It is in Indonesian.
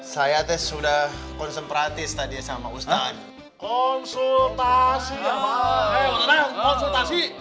saya sudah konsumtif tadi sama ustaz konsultasi